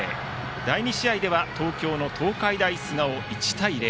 第２試合では東京の東海大菅生１対０。